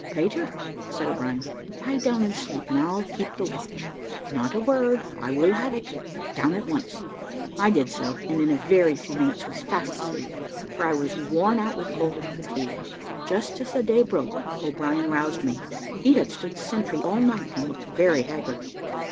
"Peter," said O'Brien, "lie down and sleep, and I'll keep the watch. Not a word, I will have it down at once." I did so, and in a very few minutes was fast asleep, for I was worn out with cold and fatigue. Just as the day broke, O'Brien roused me; he had stood sentry all night, and looked very haggard.